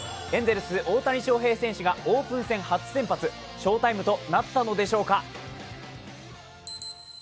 エンゼルス・大谷翔平選手が初先発翔タイムとなったのでしょうか。